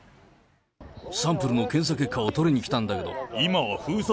サンプルの検査結果を取りにきたんだけど。